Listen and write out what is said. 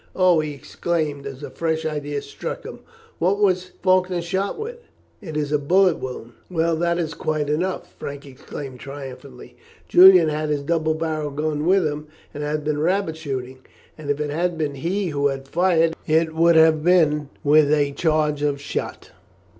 Oh!" he exclaimed, as a fresh idea struck him, "what was Faulkner shot with?" "It is a bullet wound." "Well, that is quite enough," Frank exclaimed triumphantly. "Julian had his double barrelled gun with him, and had been rabbit shooting; and if it had been he who fired it would have been with a charge of shot.